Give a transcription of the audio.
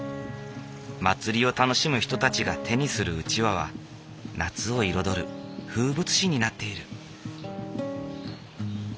祭りを楽しむ人たちが手にするうちわは夏を彩る風物詩になっている。